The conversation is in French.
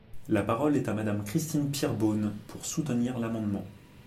La parole est à Madame Christine Pires Beaune, pour soutenir l’amendement.